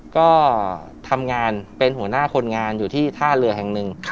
ก็ทำงานเป็นหัวหน้าคนงานอยู่ที่ท่าเรือแห่งหนึ่ง